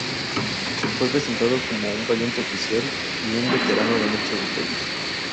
Fue presentado como un valiente oficial y un veterano de muchas batallas.